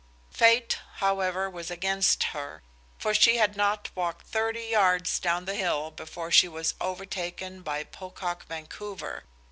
Fate, however, was against her, for she had not walked thirty yards down the hill before she was overtaken by Pocock Vancouver.